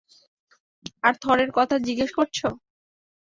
আর থরের কথা জিজ্ঞেস করছ?